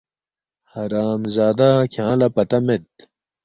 ”حرامزادہ کھیانگ لہ پتہ مید